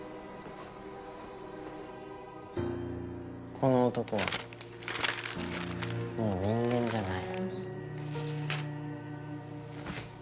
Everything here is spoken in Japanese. この男はもう人間じゃない。